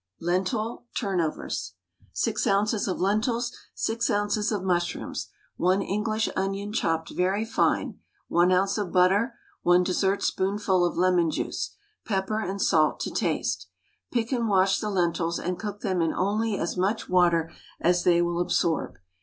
LENTIL TURNOVERS. 6 oz. of lentils, 6 oz. of mushrooms, 1 English onion chopped very fine, 1 ounce of butter, 1 dessertspoonful of lemon juice, pepper and salt to taste. Pick and wash the lentils, and cook them in only as much water as they will absorb.